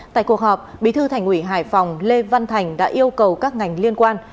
tại cuộc họp bí thư thành ủy hải phòng lê văn thành đã yêu cầu các ngành liên quan